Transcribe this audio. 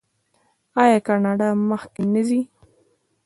آیا کاناډا مخکې نه ځي؟